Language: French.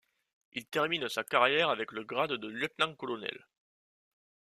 Il termine sa carrière avec le grade de lieutenant-colonel.